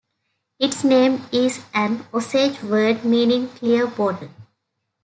Its name is an Osage word meaning clear water.